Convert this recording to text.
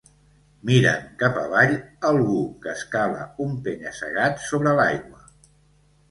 Miren cap avall algú que escala un penya-segat sobre l'aigua.